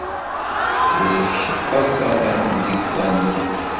Ulac akk aman deg wanu.